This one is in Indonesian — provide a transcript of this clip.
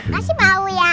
makasih pak uya